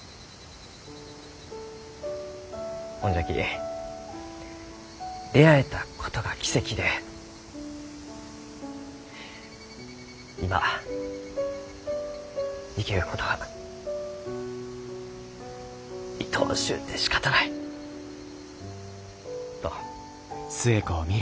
ほんじゃき出会えたことが奇跡で今生きることがいとおしゅうてしかたないと。